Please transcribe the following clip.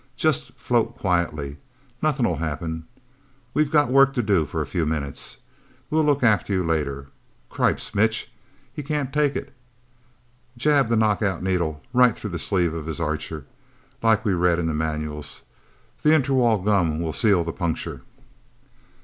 Just float quietly nothing'll happen. We've got work to do for a few minutes... We'll look after you later... Cripes, Mitch he can't take it. Jab the knockout needle right through the sleeve of his Archer, like we read in the manuals. The interwall gum will seal the puncture..."